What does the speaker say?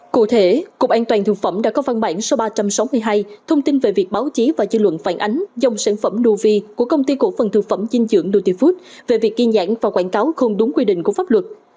cụ thể cục an toàn thực phẩm đã có văn bản số ba trăm sáu mươi hai thông tin về việc báo chí và dư luận phản ánh dòng sản phẩm nuovi của công ty cổ phần thực phẩm dinh dưỡng nutifood về việc ghi nhãn và quảng cáo không đúng quy định của pháp luật